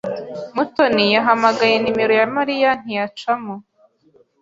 Mutoni yahamagaye nimero ya Mariya ntiyacamo.